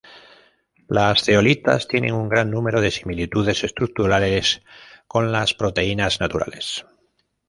Las zeolitas tienen un gran número de similitudes estructurales con las proteínas naturales.